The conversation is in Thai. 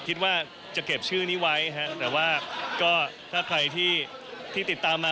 คิดว่าจะเก็บชื่อนี้ไว้แต่ว่าก็ถ้าใครที่ติดตามมา